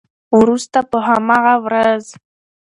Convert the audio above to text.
وروسته په همغه ورځ